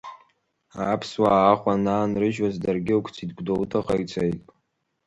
Аԥсуаа Аҟәа анаанрыжьуаз, даргьы ықәҵит, Гәдоуҭаҟа ицеит.